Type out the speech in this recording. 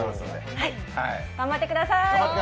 頑張ってください！